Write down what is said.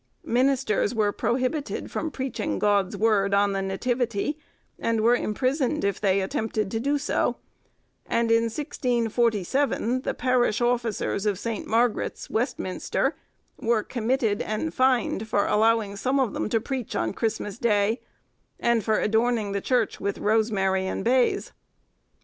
Ministers were prohibited from preaching God's word on the Nativity, and were imprisoned if they attempted to do so; and in 1647 the parish officers of St. Margaret's, Westminster, were committed and fined for allowing some of them to preach on Christmas Day, and for adorning the Church with rosemary and bays.